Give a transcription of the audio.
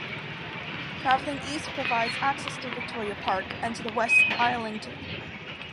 Travelling east, provides access to Victoria Park, and to the west, Islington.